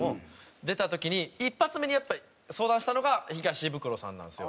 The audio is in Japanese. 出た時に一発目に相談したのが東ブクロさんなんですよ。